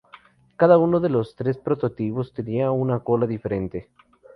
Cada uno de los tres prototipos tenía una cola diferente.